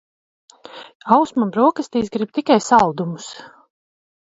Ausma brokastīs grib tikai saldumus